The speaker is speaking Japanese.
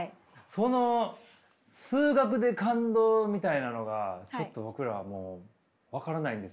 その数学で感動みたいなのがちょっと僕らはもう分からないんですけど。